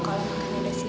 kalau bukan ada siapin